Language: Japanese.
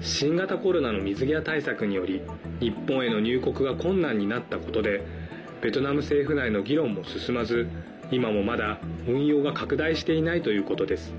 新型コロナの水際対策により日本への入国が困難になったことでベトナム政府内の議論も進まず今もまだ、運用が拡大していないということです。